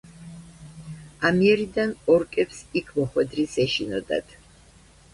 ამიერიდან ორკებს იქ მოხვედრის ეშინოდათ.